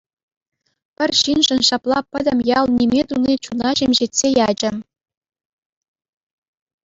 Пӗр ҫыншӑн ҫапла пӗтӗм ял ниме туни чуна ҫемҫетсе ячӗ.